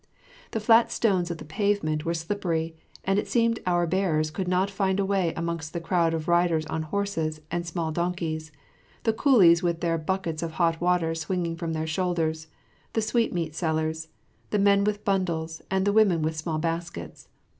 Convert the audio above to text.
The flat stones of the pavements were slippery and it seemed our bearers could not find a way amongst the crowd of riders on horses and small donkeys, the coolies with their buckets of hot water swinging from their shoulders, the sweetmeat sellers, the men with bundles, and the women with small baskets.